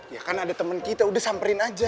ya kan ada temen kita udah samperin aja